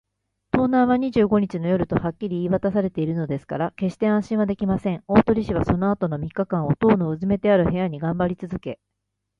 盗難は二十五日の夜とはっきり言いわたされているのですから、けっして安心はできません。大鳥氏はそのあとの三日間を、塔のうずめてある部屋にがんばりつづけ